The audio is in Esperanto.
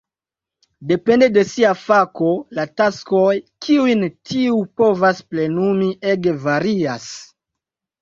Depende de sia fako, la taskoj kiujn tiu povas plenumi ege varias.